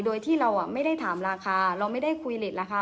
โดยที่เราไม่ได้ถามราคาเราไม่ได้คุยเล็ตราคา